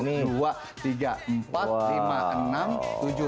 oh delapan kali malik dulu